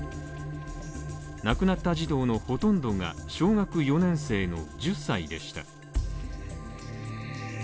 亡くなった児童のほとんどが、小学４年生の１０歳でした。